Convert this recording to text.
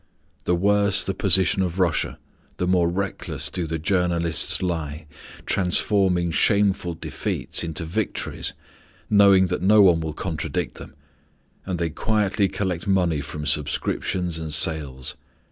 The worse the position of Russia, the more recklessly do the journalists lie, transforming shameful defeats into victories, knowing that no one will contradict them; and they quietly collect money from subscriptions and sales.